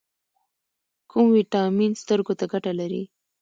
کوم ویټامین سترګو ته ګټه لري؟